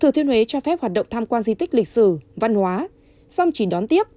thừa thiên huế cho phép hoạt động tham quan di tích lịch sử văn hóa xong chỉ đón tiếp